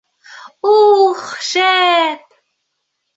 Ух, шәп!